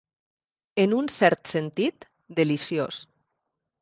En un cert sentit, deliciós.